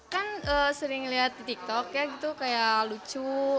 kan sering lihat di tiktok ya gitu kayak lucu